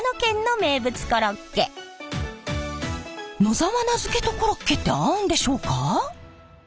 野沢菜漬けとコロッケって合うんでしょうか？